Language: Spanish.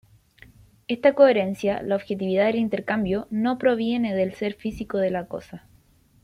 Esta coherencia, la objetividad del intercambio, no proviene del ser físico de la cosa.